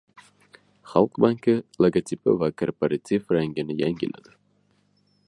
Xalq banki logotipi va korporativ rangini yangiladi